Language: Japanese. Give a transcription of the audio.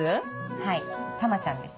はいタマちゃんです。